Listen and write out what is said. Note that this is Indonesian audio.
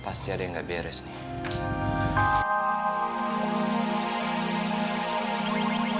pasti ada yang gak beres nih